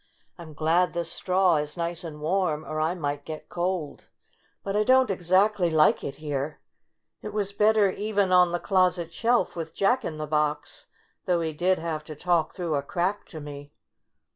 "I'm glad this straw is nice and warm, or I might get cold. But I don't exactly like it here. It was better even on the closet shelf with Jack in the Box, though he did have to talk through a crack to me."